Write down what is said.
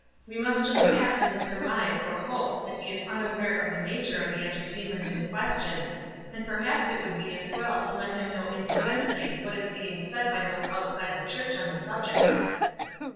We must just act on the surmise or hope that he is unaware of the nature of the entertainment in question ; and perhaps it would be as well to let him know incidentally what is being said by those outside the church on the subject."